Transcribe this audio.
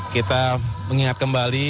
kita mengingat kembali